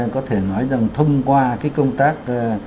có thể nói rằng thông qua cái công tác